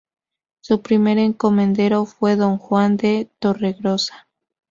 Su primer encomendero fue don Juan de Torregrosa.